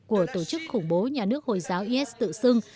của tổ chức khủng bố nhà nước hồi giáo is tự xưng